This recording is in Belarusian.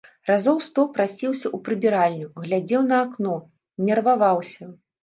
Разоў сто прасіўся ў прыбіральню, глядзеў на акно, нерваваўся.